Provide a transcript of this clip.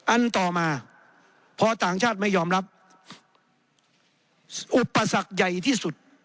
อันต่อมาพอต่างชาติไม่ยอมรับอุปสรรคใหญ่ที่สุด